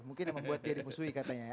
mungkin yang membuat dia dimusuhi katanya ya